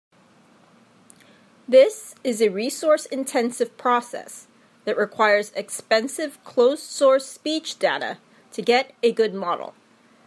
This is a resource-intensive process that requires expensive closed-source speech data to get a good model.